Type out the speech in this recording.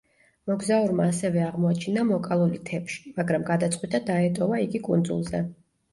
მოგზაურმა ასევე აღმოაჩინა მოკალული თეფში, მაგრამ გადაწყვიტა დაეტოვა იგი კუნძულზე.